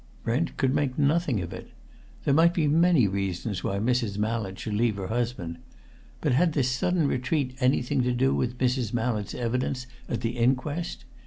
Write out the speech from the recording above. Brent could make nothing of it. There might be many reasons why Mrs. Mallett should leave her husband. But had this sudden retreat anything to do with Mrs. Mallett's evidence at the inquest.